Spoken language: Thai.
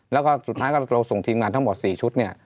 แล้วก็สุดท้ายก็เราส่งทีมงานทั้งหมด๔ชุดเนี่ย